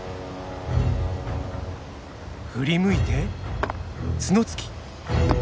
振り向いて角突き。